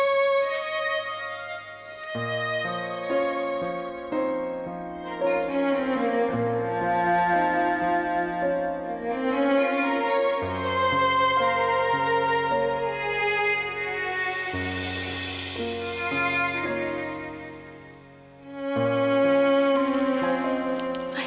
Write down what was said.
jadi terimalah ini